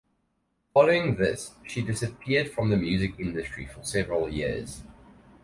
Following this, she disappeared from the music industry for several years.